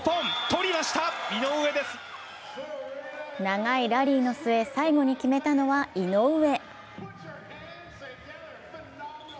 長いラリーの末、最後に決めたのは井上。